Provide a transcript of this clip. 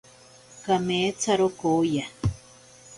Kameetsaro kooya.